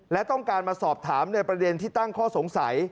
และต้องการมาสอบถามในประเด็นที่ตั้งข้อสงสัย